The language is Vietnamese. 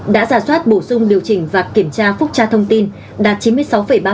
đã giả soát bổ sung điều chỉnh và kiểm tra phúc tra thông tin đạt chín mươi sáu ba mươi